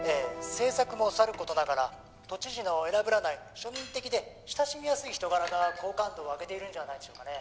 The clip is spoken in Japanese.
政策もさる事ながら都知事の偉ぶらない庶民的で親しみやすい人柄が好感度を上げているんじゃないでしょうかね」